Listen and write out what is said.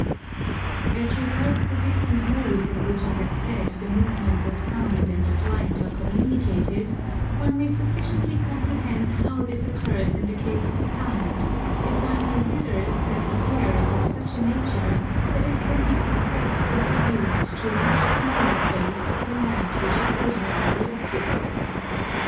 As regards the different modes in which I have said the movements of Sound and of Light are communicated, one may sufficiently comprehend how this occurs in the case of Sound if one considers that the air is of such a nature that it can be compressed and reduced to a much smaller space than that which it ordinarily occupies.